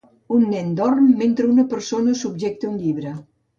Un nen dorm mentre una persona subjecta un llibre.